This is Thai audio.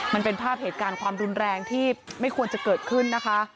มันเป็นภาพเหตุการณ์ความรุนแรงที่ไม่ควรจะเกิดขึ้นนะคะ